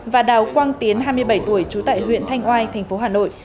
và đào quang tiến hai mươi bảy tuổi trú tại huyện thanh oai thành phố hà nội